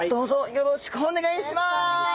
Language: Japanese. よろしくお願いします。